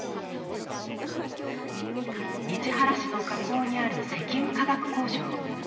市原市の河口にある石油化学工場。